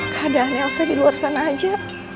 keadaan elsa di luar sana aja